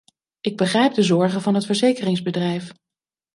Ik begrijp de zorgen van het verzekeringsbedrijf.